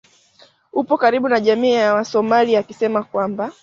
upo karibu na jamii ya wasomali akisema kwamba